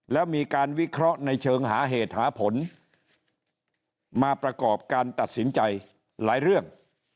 แล้วมีการวิเคราะห์ในเชิงหาเหตุหาผลมาประกอบการตัดสินใจหลายเรื่อง